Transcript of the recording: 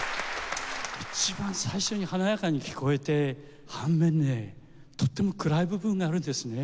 一番最初に華やかに聞こえて反面ねとっても暗い部分があるんですね。